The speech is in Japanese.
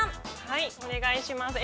はいお願いします。